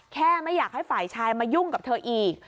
ไม่อยากให้ฝ่ายชายมายุ่งกับเธออีก